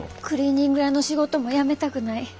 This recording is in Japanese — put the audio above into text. クリーニング屋の仕事も辞めたくない。